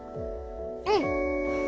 うん。